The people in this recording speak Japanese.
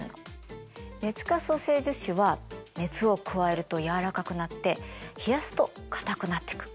熱可塑性樹脂は熱を加えると軟らかくなって冷やすと硬くなってく。